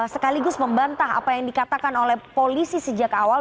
sekaligus membantah apa yang dikatakan oleh polisi sejak awal